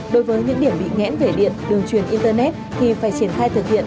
đối với những điểm bị ngẽn về điện đường truyền internet thì phải triển khai thực hiện